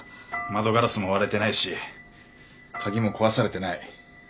窓ガラスも割れてないし鍵も壊されてない。